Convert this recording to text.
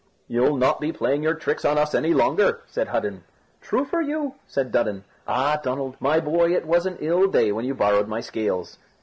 "You'll not be playing your tricks on us any longer," said Hudden. "True for you," said Dudden. "Ah, Donald, my boy, it was an ill day when you borrowed my scales."